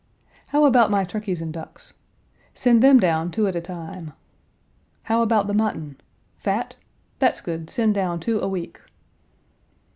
How about my turkeys and ducks? Send them down two at a time. How about the mutton? Fat? That's good; send down two a week."